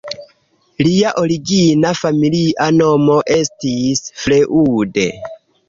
Lia origina familia nomo estis "Freud".